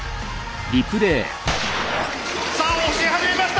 さあ押し始めました！